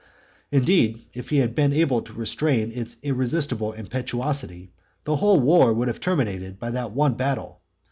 Indeed, if he had been able to restrain its irresistible impetuosity, the whole war would have been terminated by that one battle.